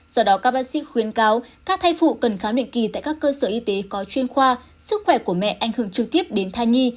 do đó các bác sĩ khuyến cáo các thai phụ cần khám định kỳ tại các cơ sở y tế có chuyên khoa sức khỏe của mẹ ảnh hưởng trực tiếp đến thai nhi